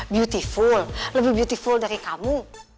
beautiful lebih beautiful dari kamu